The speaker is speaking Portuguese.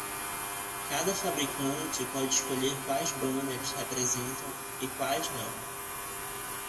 Cada fabricante pode escolher quais banners representam e quais não.